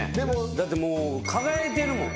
だってもう輝いてるもん。